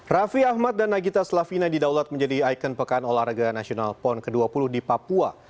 raffi ahmad dan nagita slavina didaulat menjadi ikon pekan olahraga nasional pon ke dua puluh di papua